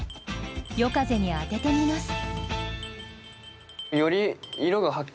夜風に当ててみます